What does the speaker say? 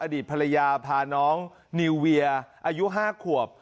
อดีตภรรยาพาน้องนิวเวียอายุ๕ขวบ